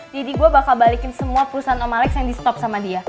jadi gue bakal balikin semua perusahaan om alex yang di stop sama dia